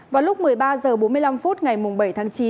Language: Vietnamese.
vào lúc một mươi ba h bốn mươi năm phút ngày bảy tháng chín